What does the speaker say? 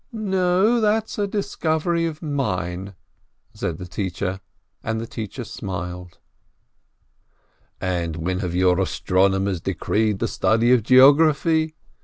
"No, that's a discovery of mine!" and the teacher smiled. "And when have 'your* astronomers decreed the study of geography